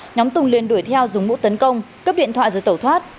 nhóm tùng liền đuổi theo dùng mũ tấn công cướp điện thoại rồi tẩu thoát